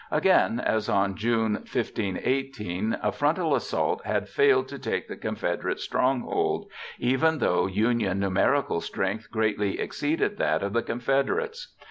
Again, as on June 15 18, a frontal assault had failed to take the Confederate stronghold, even though Union numerical strength greatly exceeded that of the Confederates.